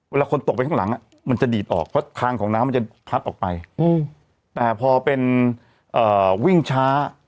คนตกไปข้างหลังมันจะดีดออกเพราะทางของน้ำมันจะพัดออกไปแต่พอเป็นวิ่งช้า